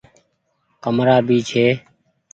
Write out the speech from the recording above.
ڪمرآ ڀي ڇي ۔